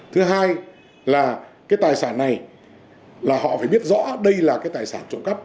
thứ hai là cái tài sản này là họ phải biết rõ đây là cái tài sản trộm cắp